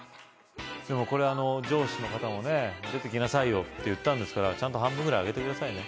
これ上司の方もね出てきなさいよって言ったんですからちゃんと半分ぐらいあげてくださいね